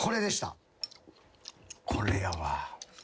これやわ。